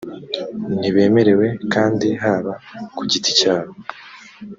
ntibemerewe kandi haba ku giti cyabo